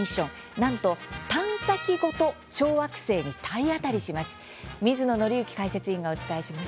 なんと探査機ごと小惑星に体当たりします。